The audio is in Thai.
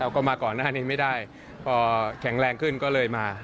ก็มาก่อนหน้านี้ไม่ได้พอแข็งแรงขึ้นก็เลยมา